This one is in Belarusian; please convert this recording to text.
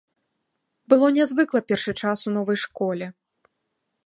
Было нязвыкла першы час у новай школе.